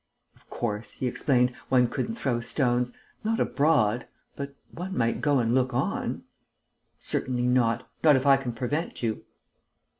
"Of course," he explained, "one couldn't throw stones. Not abroad. But one might go and look on...." "Certainly not. Not if I can prevent you.